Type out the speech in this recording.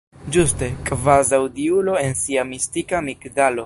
Ĝuste: kvazaŭ diulo en sia mistika migdalo.